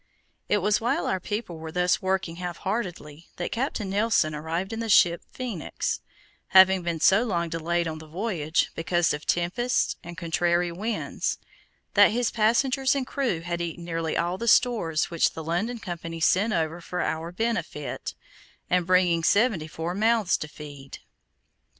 It was while our people were thus working half heartedly, that Captain Nelson arrived in the ship Phoenix, having been so long delayed on the voyage, because of tempests and contrary winds, that his passengers and crew had eaten nearly all the stores which the London Company sent over for our benefit, and bringing seventy more mouths to be fed.